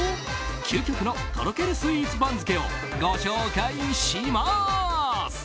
究極のとろけるスイーツ番付をご紹介します！